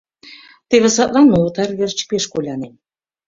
Теве садлан мый отар верч пеш колянем.